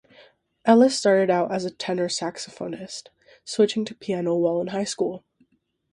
Ellis started out as a tenor saxophonist, switching to piano while in high school.